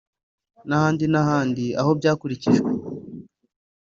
n’ahandi n’ahandi aho byakurikijwe